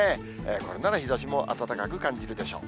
これなら日ざしも暖かく感じるでしょう。